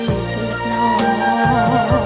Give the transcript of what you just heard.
แพ้